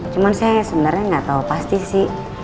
cuman saya sebenernya gak tau pasti sih